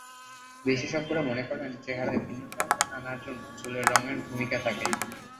বিশেষজ্ঞরা মনে করেন, চেহারায় ভিন্নতা আনার জন্য চুলের রঙেরও ভূমিকা থাকে।